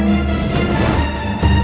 jangan lupa joko tingkir